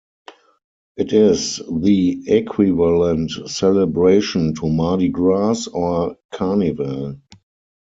It is the equivalent celebration to Mardi Gras or Carnevale.